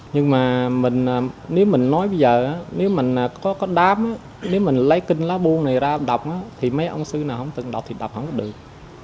nhưng mà mình nếu mình nói bây giờ nếu mình có con đám nếu mình lấy kinh lá buông này ra đọc thì mấy ông sư nào không từng đọc thì đọc không có được